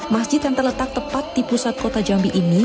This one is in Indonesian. masjid yang terletak tepat di pusat kota jambi ini